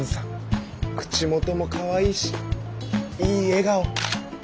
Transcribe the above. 口元もかわいいしいい笑顔！